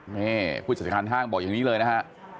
นี่ผู้จัดการห้างบอกอย่างนี้เลยนะฮะ